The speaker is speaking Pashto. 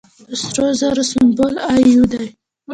د سرو زرو سمبول ای یو دی.